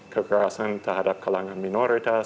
kekerasan terhadap kalangan minoritas